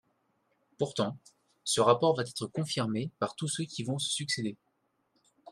Pourtant, ce rapport va être confirmé par tous ceux qui vont se succéder.